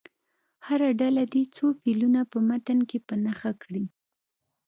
هره ډله دې څو فعلونه په متن کې په نښه کړي.